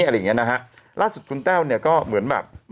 อะไรอย่างเงี้นะฮะล่าสุดคุณแต้วเนี่ยก็เหมือนแบบ